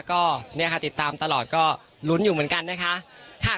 ก็เนี่ยค่ะติดตามตลอดก็ลุ้นอยู่เหมือนกันนะคะ